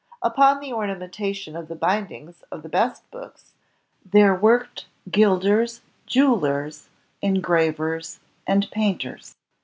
Ujwn the ornamentation of the bindings of the best books, there worked gilders, jewelers, engravers, and painters.